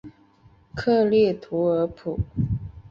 克利图尔普。